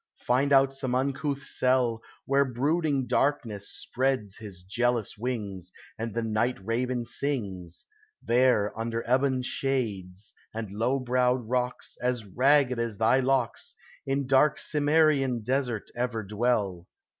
Find out some uncouth cell, Where brooding Darkness spreads his jealous wings, And the night raven sings ; There under ebon shades, and low browed rocks, As ragged as thy locks, In dark Cimmerian desert ever dwell.